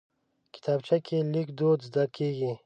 کتابچه کې لیک دود زده کېږي